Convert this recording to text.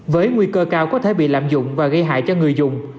với nguy cơ cao có thể bị lạm dụng và gây hại cho người dùng